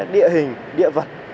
địa hình địa vật